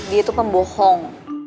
dia tuh pembohong